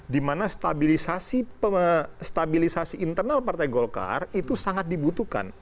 dimana stabilisasi internal partai golkar itu sangat dibutuhkan